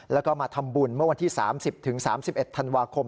แล้วก็มาทำบุญเมื่อวันที่๓๐๓๑ธันวาคม